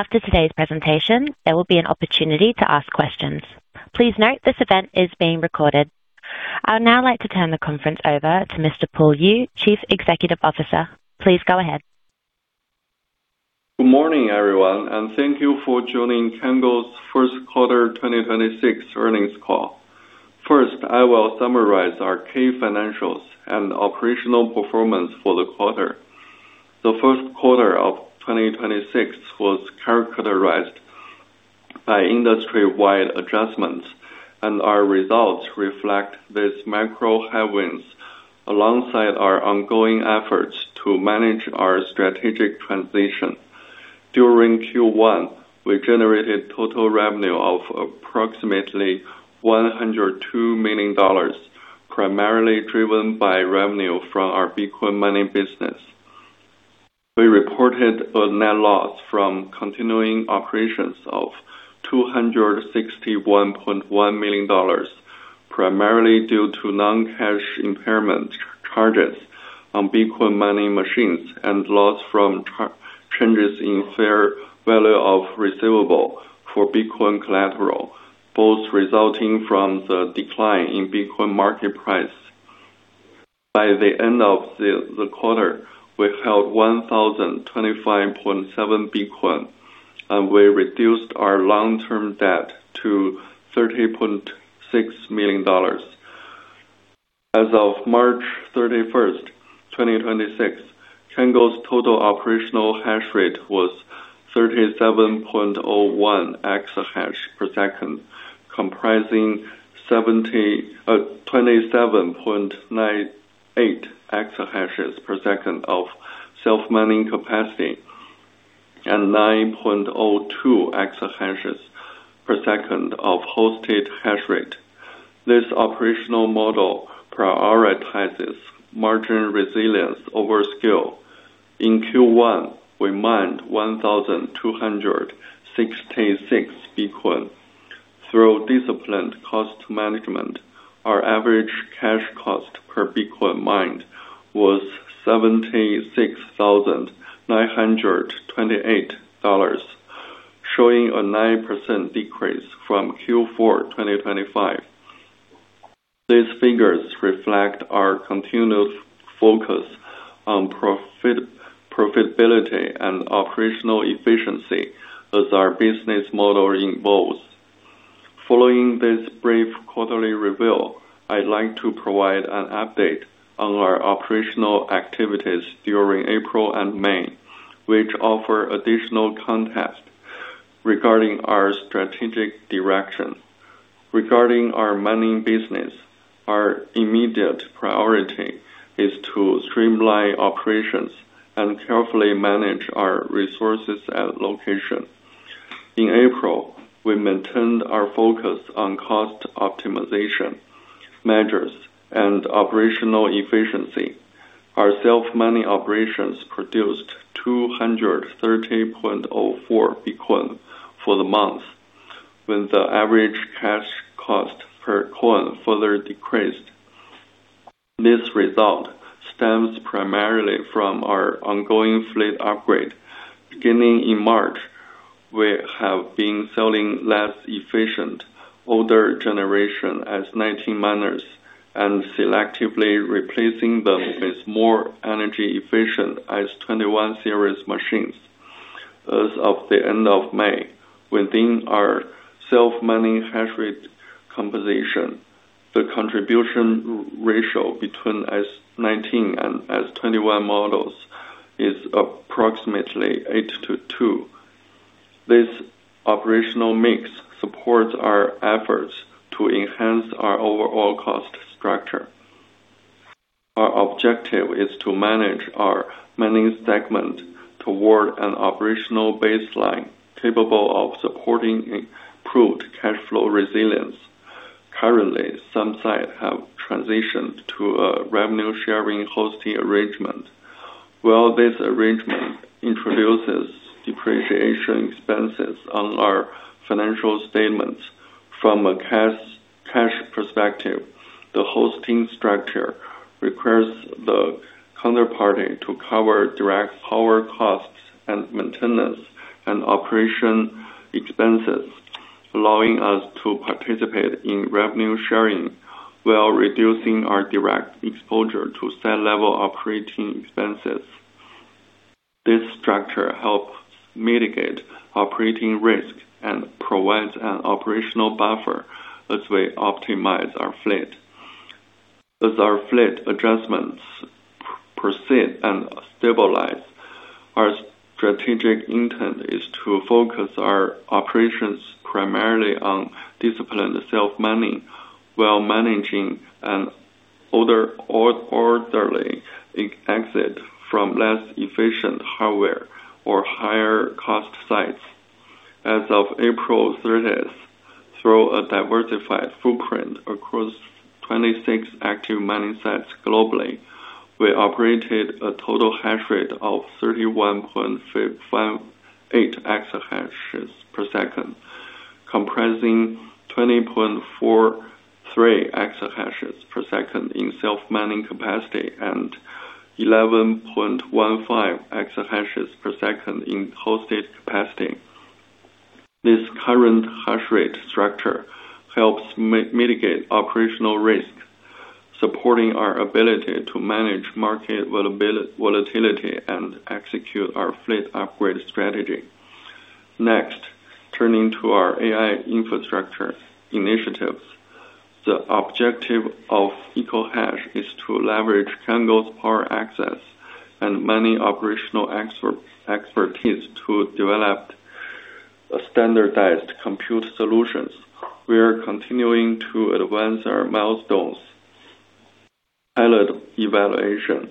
After today's presentation, there will be an opportunity to ask questions. Please note this event is being recorded. I would now like to turn the conference over to Mr. Paul Yu, Chief Executive Officer. Please go ahead. Good morning, everyone, and thank you for joining Cango's first quarter 2026 earnings call. First, I will summarize our key financial and operational performance for the quarter. The first quarter of 2026 was characterized by industry-wide adjustments, and our results reflect these macro headwinds alongside our ongoing efforts to manage our strategic transition. During Q1, we generated total revenue of approximately $102 million, primarily driven by revenue from our Bitcoin mining business. We reported a net loss from continuing operations of $261.1 million, primarily due to non-cash impairment charges on Bitcoin mining machines and loss from changes in fair value of receivable for Bitcoin collateral, both resulting from the decline in Bitcoin market price. By the end of the quarter, we held 1,025.7 Bitcoin, and we reduced our long-term debt to $30.6 million. As of March 31st, 2026, Cango's total operational hash rate was 37.01 exahash per second, comprising 27.98 exahashes per second of self-mining capacity and 9.02 exahashes per second of hosted hash rate. This operational model prioritizes margin resilience over scale. In Q1, we mined 1,266 Bitcoin. Through disciplined cost management, our average cash cost per Bitcoin mined was $76,928, showing a 9% decrease from Q4 2025. These figures reflect our continuous focus on profitability and operational efficiency as our business model evolves. Following this brief quarterly review, I'd like to provide an update on our operational activities during April and May, which offer additional context regarding our strategic direction. Regarding our mining business, our immediate priority is to streamline operations and carefully manage our resources and location. In April, we maintained our focus on cost optimization measures and operational efficiency. Our self-mining operations produced 230.04 Bitcoin for the month, when the average cash cost per coin further decreased. This result stems primarily from our ongoing fleet upgrade. Beginning in March, we have been selling less efficient older generation S19 miners and selectively replacing them with more energy efficient S21 series machines. As of the end of May, within our self-mining hash rate composition, the contribution ratio between S19 and S21 models is approximately 8 to 2. This operational mix supports our efforts to enhance our overall cost structure. Our objective is to manage our mining segment toward an operational baseline capable of supporting improved cash flow resilience. Currently, some sites have transitioned to a revenue sharing hosting arrangement. While this arrangement introduces depreciation expenses on our financial statements, from a cash perspective, the hosting structure requires the counterparty to cover direct power costs and maintenance and operation expenses, allowing us to participate in revenue sharing while reducing our direct exposure to site level operating expenses. This structure helps mitigate operating risk and provides an operational buffer as we optimize our fleet. As our fleet adjustments proceed and stabilize, our strategic intent is to focus our operations primarily on disciplined self-mining while managing an orderly exit from less efficient hardware or higher cost sites. As of April 30th, through a diversified footprint across 26 active mining sites globally, we operated a total hash rate of 31.58 exahashes per second, comprising 20.43 exahashes in self-mining capacity and 11.15 exahashes per second in hosted capacity. This current hash rate structure helps mitigate operational risk, supporting our ability to manage market volatility, and execute our fleet upgrade strategy. Turning to our AI infrastructure initiatives. The objective of EcoHash is to leverage Cango's power access and mining operational expertise to develop standardized compute solutions. We are continuing to advance our milestones. Pilot evaluation,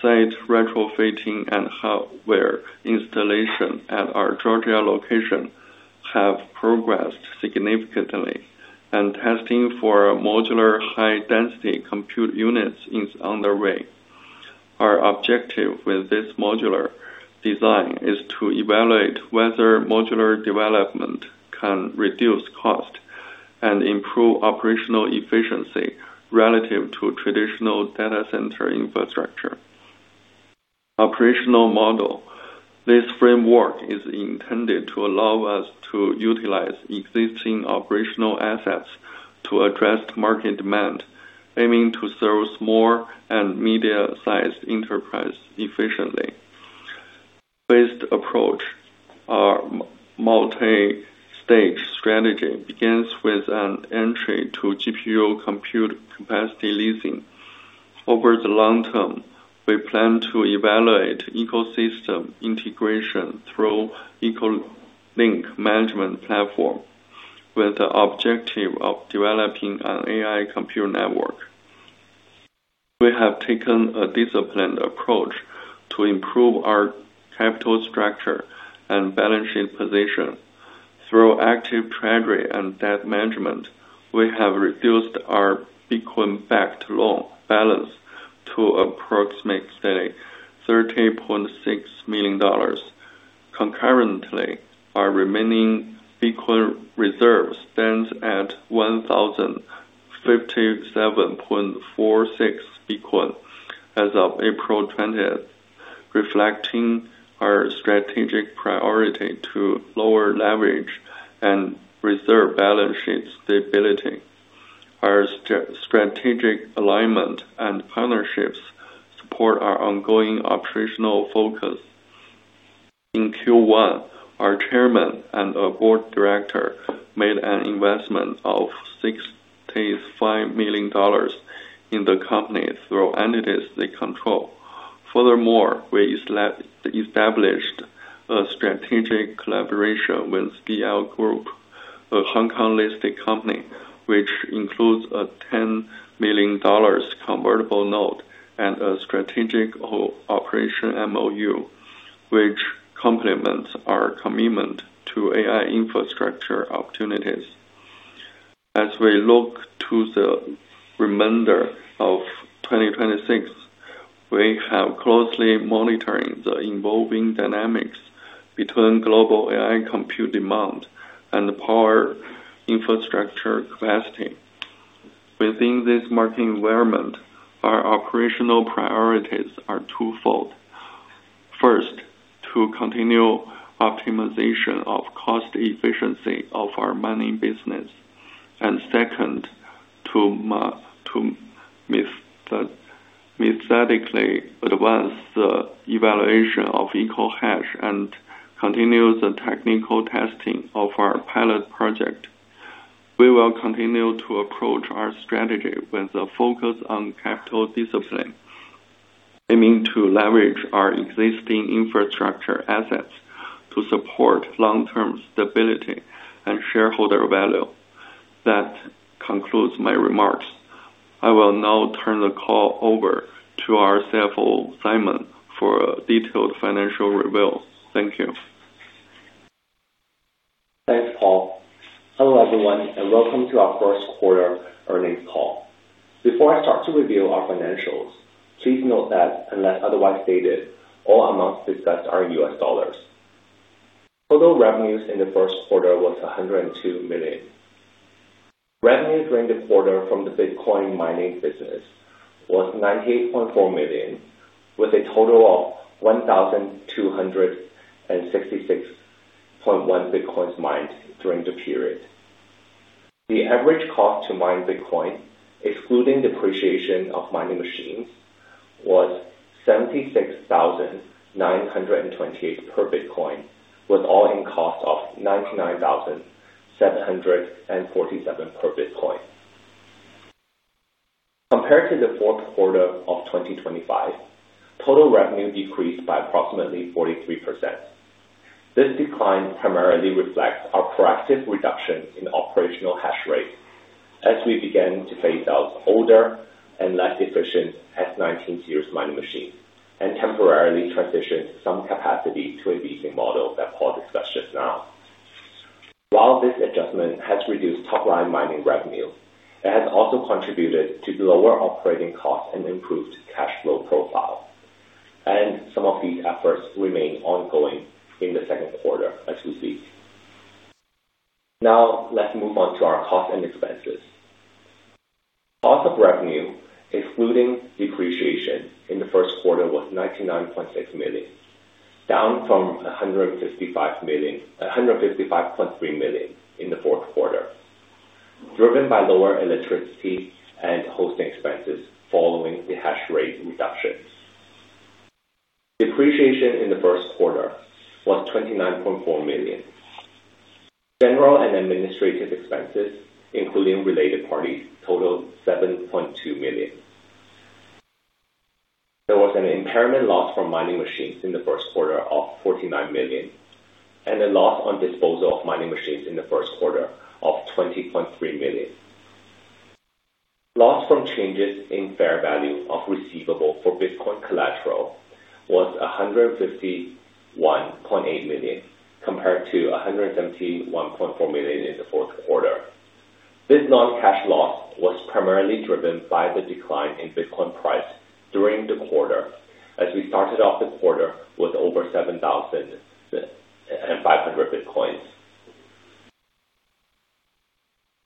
site retrofitting, and hardware installation at our Georgia location have progressed significantly, and testing for modular high-density compute units is underway. Our objective with this modular design is to evaluate whether modular development can reduce cost and improve operational efficiency relative to traditional data center infrastructure. Operational model. This framework is intended to allow us to utilize existing operational assets to address market demand, aiming to service more and medium-sized enterprise efficiently. Based approach. Our multi-stage strategy begins with an entry to GPU compute capacity leasing. Over the long term, we plan to evaluate ecosystem integration through EcoLink management platform with the objective of developing an AI compute network. We have taken a disciplined approach to improve our capital structure and balance sheet position. Through active treasury and debt management, we have reduced our Bitcoin backed loan balance to approximately $30.6 million. Concurrently, our remaining Bitcoin reserves stands at 1,057.46 Bitcoin as of April 20th, reflecting our strategic priority to lower leverage and reserve balance sheet stability. Our strategic alignment and partnerships support our ongoing operational focus. In Q1, our chairman and a board director made an investment of $65 million in the company through entities they control. Furthermore, we established a strategic collaboration with DL Group, a Hong Kong-listed company, which includes a $10 million convertible note and a strategic operation MOU, which complements our commitment to AI infrastructure opportunities. As we look to the remainder of 2026, we are closely monitoring the evolving dynamics between global AI compute demand and power infrastructure capacity. Within this market environment, our operational priorities are twofold. First, to continue optimization of cost efficiency of our mining business, second, to methodically advance the evaluation of EcoHash and continue the technical testing of our pilot project. We will continue to approach our strategy with a focus on capital discipline, aiming to leverage our existing infrastructure assets to support long-term stability and shareholder value. That concludes my remarks. I will now turn the call over to our CFO, Simon, for a detailed financial reveal. Thank you. Thanks, Paul. Hello, everyone, and welcome to our first quarter earnings call. Before I start to review our financials, please note that unless otherwise stated, all amounts discussed are in US dollars. Total revenues in the first quarter was $102 million. Revenue during the quarter from the Bitcoin mining business was $98.4 million, with a total of 1,266.1 Bitcoins mined during the period. The average cost to mine Bitcoin, excluding depreciation of mining machines, was $76,928 per Bitcoin, with all-in cost of $99,747 per Bitcoin. Compared to the fourth quarter of 2025, total revenue decreased by approximately 43%. This decline primarily reflects our proactive reduction in operational hash rate as we began to phase out older and less efficient S19 series mining machines and temporarily transition some capacity to a leasing model that Paul discussed just now. While this adjustment has reduced top-line mining revenue, it has also contributed to lower operating costs and improved cash flow profile, and some of the efforts remain ongoing in the second quarter as you see. Now, let's move on to our cost and expenses. Cost of revenue, excluding depreciation in the first quarter was $99.6 million, down from $155.3 million in the fourth quarter, driven by lower electricity and hosting expenses following the hash rate reductions. Depreciation in the first quarter was $29.4 million. General and administrative expenses, including related parties, totaled $7.2 million. There was an impairment loss from mining machines in the first quarter of $49 million, and a loss on disposal of mining machines in the first quarter of $20.3 million. Loss from changes in fair value of receivable for Bitcoin collateral was $151.8 million, compared to $171.4 million in the fourth quarter. This non-cash loss was primarily driven by the decline in Bitcoin price during the quarter, as we started off the quarter with over 7,500 Bitcoins.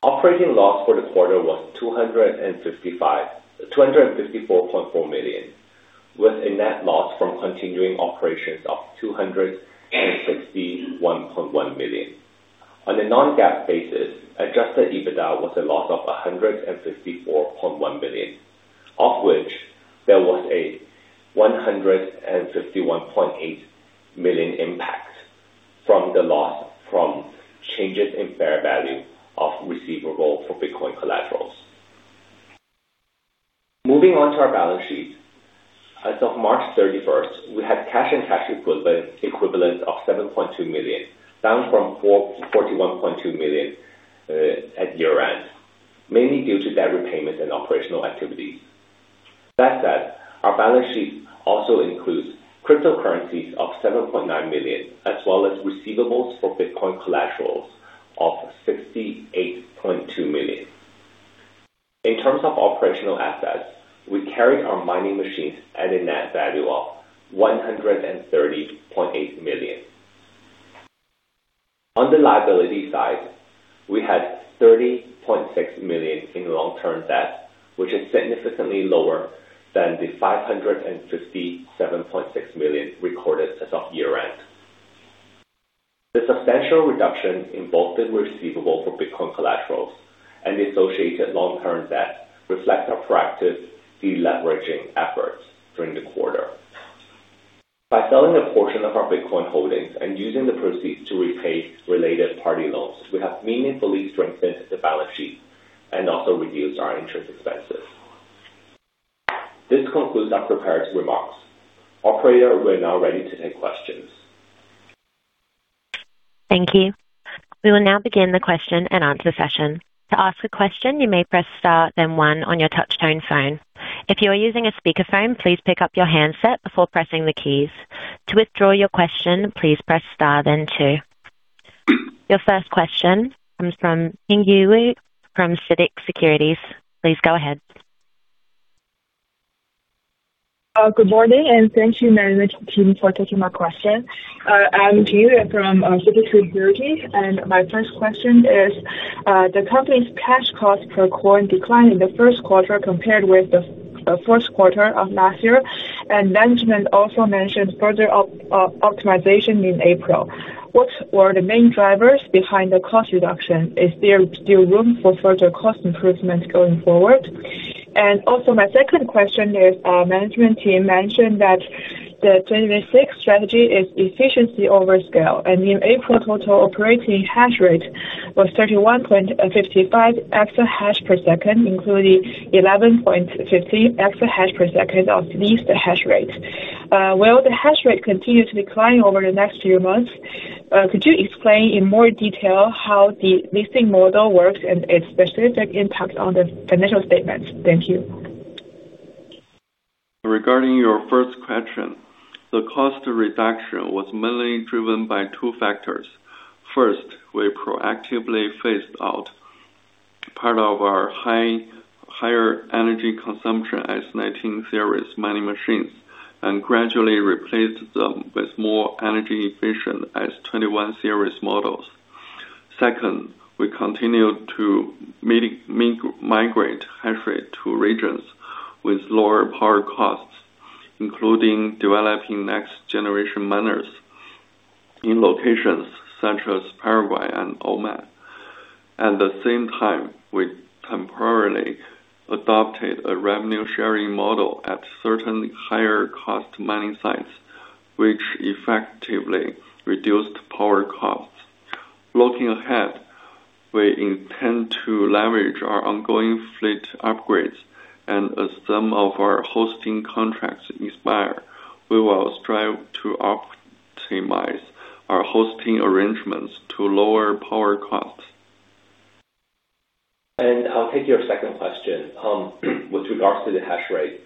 Operating loss for the quarter was $254.4 million, with a net loss from continuing operations of $261.1 million. On a non-GAAP basis, adjusted EBITDA was a loss of $154.1 million, of which there was a $151.8 million impact from the loss from changes in fair value of receivable for Bitcoin collaterals. Moving on to our balance sheet. As of March 31st, we had cash and cash equivalents of $7.2 million, down from $41.2 million at year-end, mainly due to debt repayments and operational activities. That said, our balance sheet also includes cryptocurrencies of $7.9 million, as well as receivables for Bitcoin collaterals of $68.2 million. In terms of operational assets, we carry our mining machines at a net value of $130.8 million. On the liability side, we had $30.6 million in long-term debt, which is significantly lower than the $557.6 million recorded as of year-end. The substantial reduction in both the receivable for Bitcoin collaterals and the associated long-term debt reflect our proactive deleveraging efforts during the quarter. By selling a portion of our Bitcoin holdings and using the proceeds to repay related party loans, we have meaningfully strengthened the balance sheet and also reduced our interest expenses. This concludes our prepared remarks. Operator, we are now ready to take questions. Thank you. We will now begin the question and answer session. To ask a question, you may press star then one on your touch tone phone. If you are using a speakerphone, please pick up your handset before pressing the keys. To withdraw your question, please press star then two. Your first question comes from Jingyu Li from CITIC Securities. Please go ahead. Good morning, thank you management team for taking my question. I'm Jingyu Li from CITIC Securities, and my first question is, the company's cash cost per coin declined in the first quarter compared with the first quarter of last year, and management also mentioned further optimization in April. What were the main drivers behind the cost reduction? Is there still room for further cost improvements going forward? Also, my second question is, management team mentioned that the 2026 strategy is efficiency over scale, and in April, total operating hash rate was 31.55 exahash per second, including 11.15 exahash per second of leased hash rates. Will the hash rate continue to decline over the next few months? Could you explain in more detail how the leasing model works and its specific impact on the financial statements? Thank you. Regarding your first question, the cost reduction was mainly driven by two factors. First, we proactively phased out part of our higher energy consumption S19 series mining machines and gradually replaced them with more energy efficient S21 series models. Second, we continued to migrate hash rate to regions with lower power costs, including developing next generation miners in locations such as Paraguay and Oman. At the same time, we temporarily adopted a revenue sharing model at certain higher cost mining sites, which effectively reduced power costs. Looking ahead, we intend to leverage our ongoing fleet upgrades and as some of our hosting contracts expire, we will strive to optimize our hosting arrangements to lower power costs. I'll take your second question with regards to the hash rate.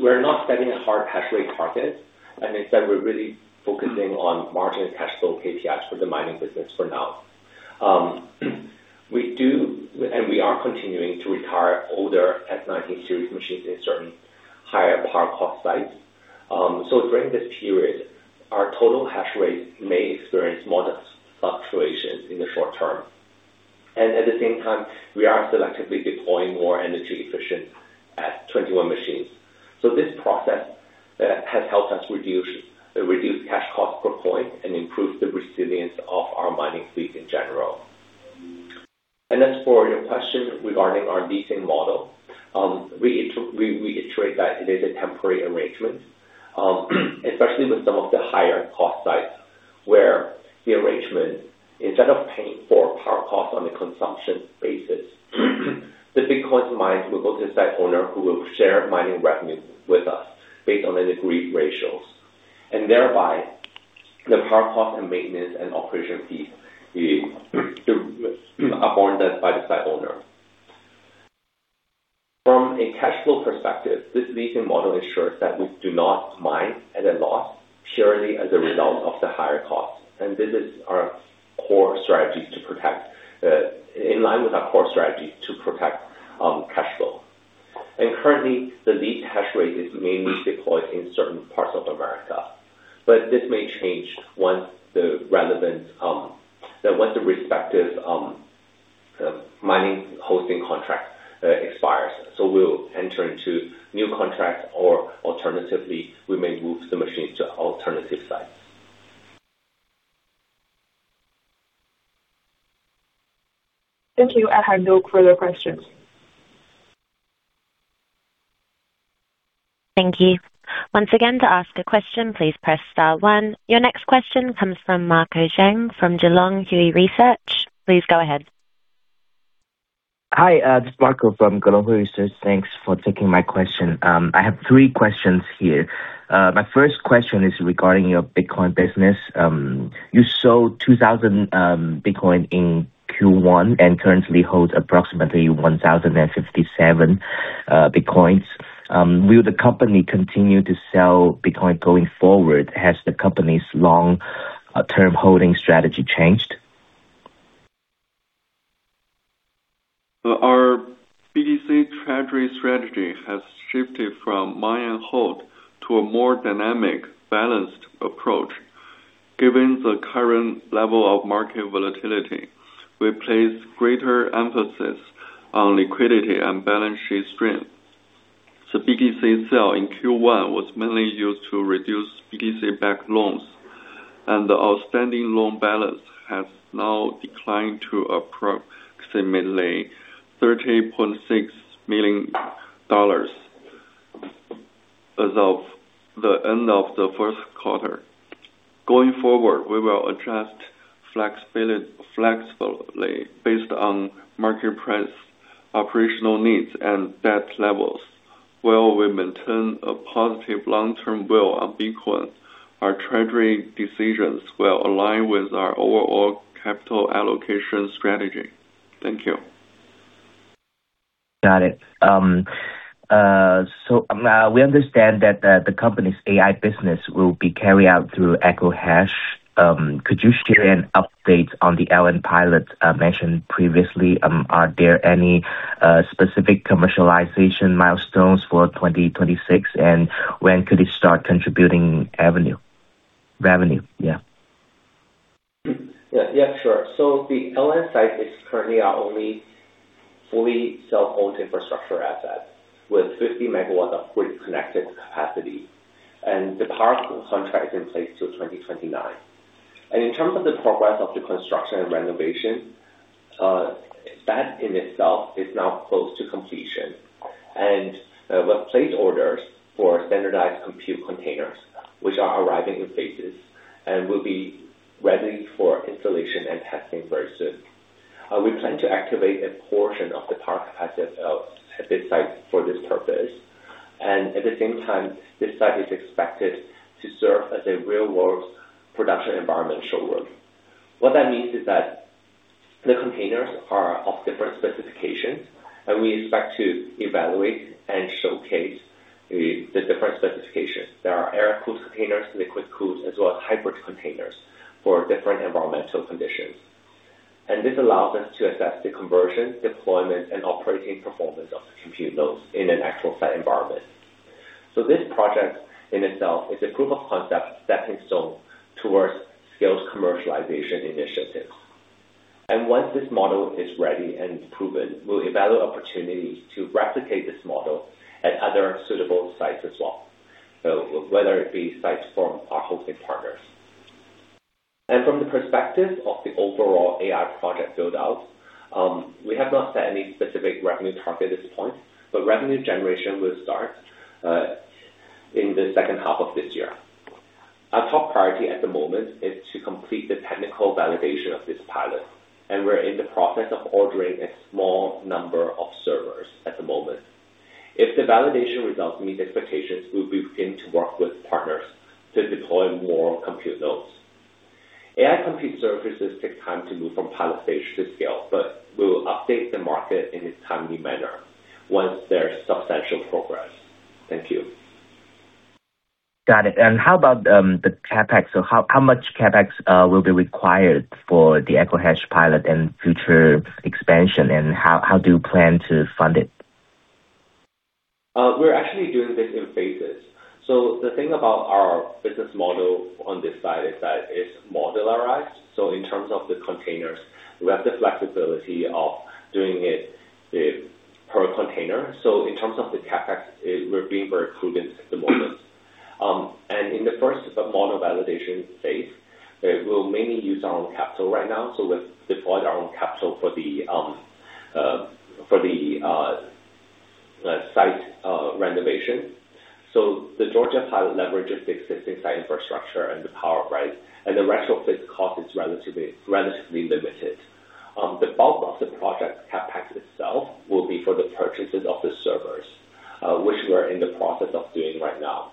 We're not setting a hard hash rate target. Instead, we're really focusing on margin, cash flow, KPIs for the mining business for now. We do and we are continuing to retire older S19 series machines in certain higher power cost sites. During this period, our total hash rate may experience modest fluctuations in the short term. At the same time, we are selectively deploying more energy efficient S21 machines. This process has helped us reduce cash costs per point and improve the resilience of our mining fleet in general. As for your question regarding our leasing model, we reiterate that it is a temporary arrangement, especially with some of the higher cost sites, where the arrangement, instead of paying for power costs on a consumption basis, the Bitcoin mines will go to the site owner, who will share mining revenues with us based on agreed ratios. Thereby, the power cost and maintenance and operation fees are borne by the site owner. From a cash flow perspective, this leasing model ensures that we do not mine at a loss purely as a result of the higher cost. This is in line with our core strategy to protect cash flow. Currently, the lease hash rate is mainly deployed in certain parts of America. This may change once the respective mining hosting contract expires. We'll enter into new contracts, or alternatively, we may move the machines to alternative sites. Thank you. I have no further questions. Thank you. Once again, to ask a question, please press star one. Your next question comes from Marco Zheng from Zheng Long Hui Research. Please go ahead. Hi, this is Marco from Zheng Long Hui Research. Thanks for taking my question. I have three questions here. My first question is regarding your Bitcoin business. You sold 2,000 Bitcoin in Q1 and currently hold approximately 1,057 Bitcoins. Will the company continue to sell Bitcoin going forward? Has the company's long-term holding strategy changed? Our BTC treasury strategy has shifted from mine and hold to a more dynamic, balanced approach. Given the current level of market volatility, we place greater emphasis on liquidity and balance sheet strength. The BTC sale in Q1 was mainly used to reduce BTC-backed loans, and the outstanding loan balance has now declined to approximately $30.6 million as of the end of the first quarter. Going forward, we will adjust flexibly based on market price, operational needs, and debt levels. While we maintain a positive long-term view on Bitcoin, our treasury decisions will align with our overall capital allocation strategy. Thank you. Got it. We understand that the company's AI business will be carried out through EcoHash. Could you share an update on the Allen pilot mentioned previously? Are there any specific commercialization milestones for 2026? When could it start contributing revenue? Yeah, sure. The Allen site is currently our only fully self-owned infrastructure asset with 50 MW of grid-connected capacity, and the power contract is in place till 2029. In terms of the progress of the construction and renovation, that in itself is now close to completion. We've placed orders for standardized compute containers, which are arriving in phases and will be ready for installation and testing very soon. We plan to activate a portion of the park assets at this site for this purpose. At the same time, this site is expected to serve as a real-world production environment showroom. What that means is that the containers are of different specifications, and we expect to evaluate and showcase the different specifications. There are air-cooled containers, liquid-cooled, as well as hybrid containers for different environmental conditions. This allows us to assess the conversion, deployment, and operating performance of the compute nodes in an actual site environment. This project in itself is a proof of concept stepping stone towards scale commercialization initiatives. Once this model is ready and proven, we'll evaluate opportunities to replicate this model at other suitable sites as well. Whether it be sites from our hosting partners. From the perspective of the overall AI project build-out, we have not set any specific revenue target at this point, but revenue generation will start in the second half of this year. Our top priority at the moment is to complete the technical validation of this pilot, and we're in the process of ordering a small number of servers at the moment. If the validation results meet expectations, we'll begin to work with partners to deploy more compute nodes. AI compute services take time to move from pilot stage to scale. We'll update the market in a timely manner once there's substantial progress. Thank you. Got it. How about the CapEx? How much CapEx will be required for the EcoHash pilot and future expansion, and how do you plan to fund it? We're actually doing this in phases. The thing about our business model on this side is that it's modularized. In terms of the CapEx, we're being very prudent at the moment. In the first model validation phase, we'll mainly use our own capital right now. We've deployed our own capital for the site renovation. The Georgia pilot leverages the existing site infrastructure and the power price, and the retrofit cost is relatively limited. The bulk of the project CapEx itself will be for the purchases of the servers, which we are in the process of doing right now.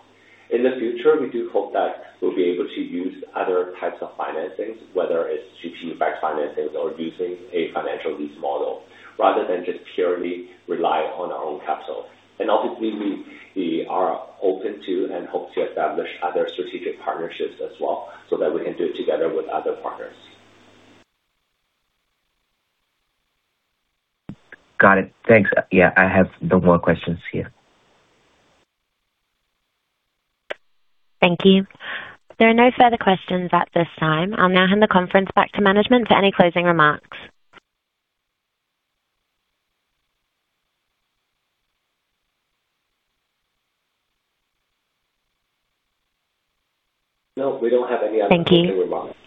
In the future, we do hope that we'll be able to use other types of financings, whether it's GPU-backed financings or using a financial lease model, rather than just purely rely on our own capital. Obviously, we are open to and hope to establish other strategic partnerships as well, so that we can do it together with other partners. Got it. Thanks. Yeah, I have no more questions here. Thank you. There are no further questions at this time. I will now hand the conference back to management for any closing remarks. No, we don't have any other comments. Thank you.